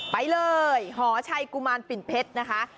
ไปเลยหอชัยกุมารปิ่นเพชรนะคะ